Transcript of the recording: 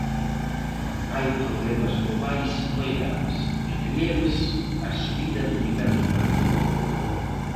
Hai problemas globais moi graves, entre eles, a subida do nivel do mar.